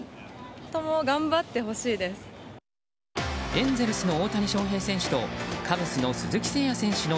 エンゼルスの大谷翔平選手とカブスの鈴木誠也選手の